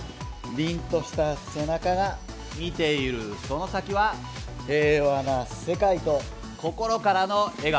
凛とした背中が見ているその先は平和な世界と心からの笑顔。